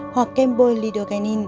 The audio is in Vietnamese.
hoặc kem bôi lidocaine